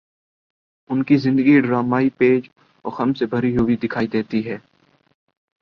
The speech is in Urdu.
ان کی زندگی ڈرامائی پیچ و خم سے بھری ہوئی دکھائی دیتی ہے۔